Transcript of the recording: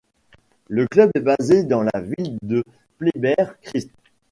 Le club est basé dans la ville de Pleyber-Christ.